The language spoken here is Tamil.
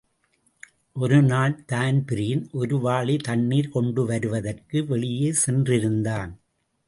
ஒருநாள் தான்பிரீன் ஒரு வாளி தண்ணீர் கொண்டுவருவதற்கு வெளியே சென்றிருந்தான்.